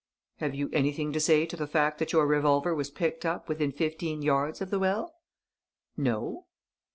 "Have you anything to say to the fact that your revolver was picked up within fifteen yards of the well?" "No."